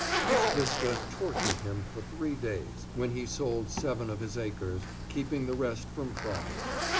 This vista tortured him for three days, when he sold seven of his acres, keeping the rest from pride.